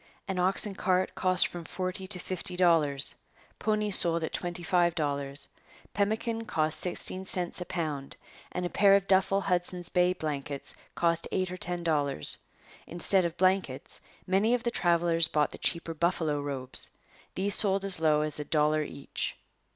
An ox and cart cost from forty to fifty dollars. Ponies sold at twenty five dollars. Pemmican cost sixteen cents a pound, and a pair of duffel Hudson's Bay blankets cost eight or ten dollars. Instead of blankets, many of the travellers bought the cheaper buffalo robes. These sold as low as a dollar each.